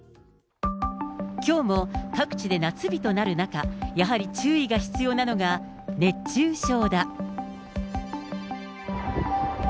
きょうも各地で夏日となる中、やはり注意が必要なのが、熱中症だ。